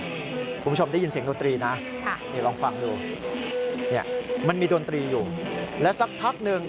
คุณผู้ชมได้ยินเสียงดนตรีนะลองฟังดูเนี่ยมันมีดนตรีอยู่และสักพักหนึ่ง